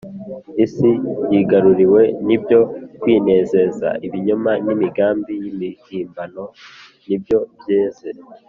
Isi yigaruriwe n’ibyo kwinezeza. Ibinyoma n’imigani y’imihimbano nibyo byeze